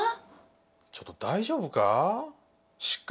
ちょっと大丈夫か？